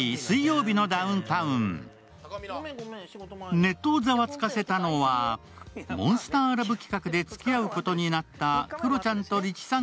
ネットをざわつかせたのは、「モンスターラブ」企画でつきあうことになったクロちゃんとリチさん